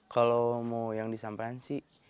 kalau mau yang disampaikan sih